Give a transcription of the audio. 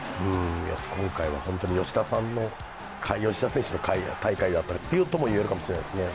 今回は吉田選手の大会だったとも言えるかもしれないですね。